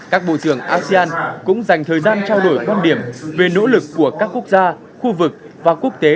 các bộ trưởng asean cũng dành thời gian trao đổi quan điểm về nỗ lực của các quốc gia khu vực và quốc tế